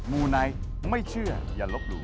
มูไนท์ไม่เชื่ออย่าลบหลู่